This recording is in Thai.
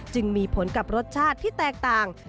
จึงมีผลกับรสชาติที่แตกต่าง